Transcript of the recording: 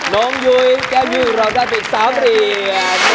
น้องยุยแก้ยืงเราได้เปลี่ยน๓เหรียด